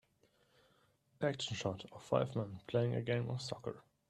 Action shot of five men playing a game of soccer.